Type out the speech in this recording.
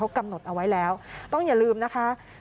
กำหนดเอาไว้แล้วต้องอย่าลืมนะคะ